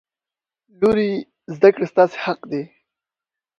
لورې! زده کړې ستاسې حق دی.